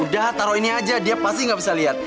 udah taro ini aja dia pasti gak bisa liat